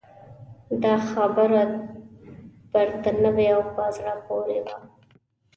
دا خبره ورته نوې او په زړه پورې وه.